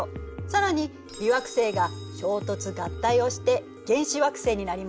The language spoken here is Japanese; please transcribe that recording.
更に微惑星が衝突・合体をして原始惑星になりました。